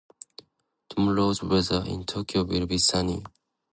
Tomorrow's weather in Tokyo will be sunny.